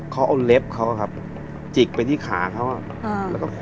เขาเอาเล็บเขาครับจิกไปที่ขาเขาแล้วก็